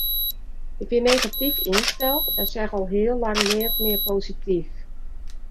Ik wie negatyf ynsteld en seach al heel lang neat mear posityf.